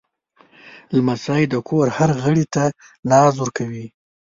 لمسی د کور هر غړي ته ناز ورکوي.